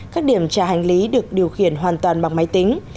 các điểm trả hành lý được điều khiển hoàn toàn bằng máy tính